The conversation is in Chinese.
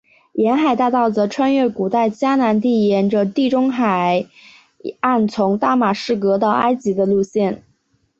沿海大道则穿越古代迦南地沿着地中海岸从大马士革到埃及的路线。